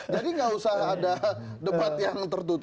jadi nggak usah ada debat yang tertutup